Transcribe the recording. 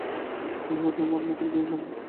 তিনি হয়ে উঠলেন প্রায় মুকুটহীন সম্রাট।